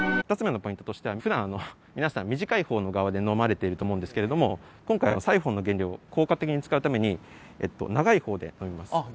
２つ目のポイントとしては普段皆さん短い方の側で飲まれていると思うんですけれども今回はサイフォンの原理を効果的に使うために長い方で飲みます。